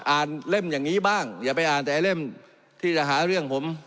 เล่มอย่างนี้บ้างอย่าไปอ่านแต่เล่มที่จะหาเรื่องผม